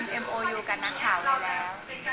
เป็นการได้ยินของเราหรือเปล่า